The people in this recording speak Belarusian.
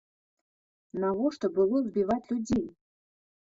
Навошта было збіваць людзей?